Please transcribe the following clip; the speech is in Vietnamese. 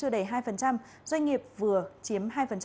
hai doanh nghiệp vừa chiếm hai